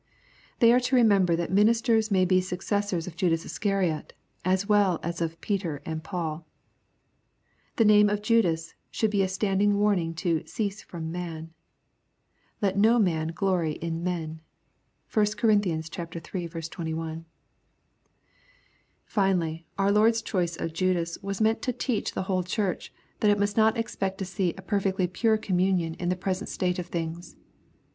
They are to remember that ministers may be successors of Judas Iscariot, as well as of Peter and Paul. The name of Judas should be a standing warning to "cease from man." Let no man glory in men. (1 Cor. iii. 21.) Finally, our Lord's choice of Judas was meant to teach 174 EXP08IT0KY THOUGHTS. to teach the wbole churchy that it must not expect to see a perfectly pure communion in the present state of things.